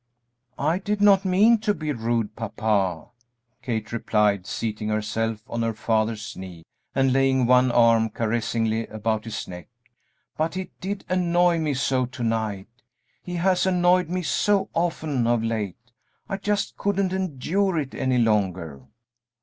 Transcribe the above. "I did not mean to be rude, papa," Kate replied, seating herself on her father's knee and laying one arm caressingly about his neck, "but he did annoy me so to night, he has annoyed me so often of late, I just couldn't endure it any longer."